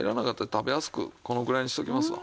食べやすくこのぐらいにしておきますわ。